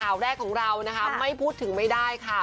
ข่าวแรกของเรานะคะไม่พูดถึงไม่ได้ค่ะ